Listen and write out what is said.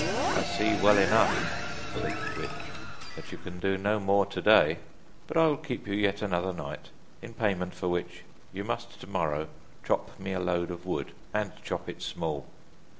'I see well enough,' said the witch, 'that you can do no more today, but I will keep you yet another night, in payment for which you must tomorrow chop me a load of wood, and chop it small.